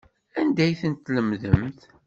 Anda ay tent-tlemdemt?